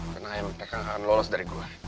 karena emang mereka nggak akan lolos dari gue